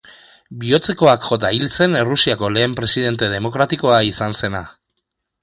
Bihotzekoak jota hil zen Errusiako lehen presidente demokratikoa izan zena.